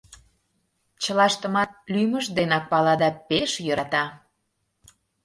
Чылаштымат лӱмышт денак пала да пеш йӧрата.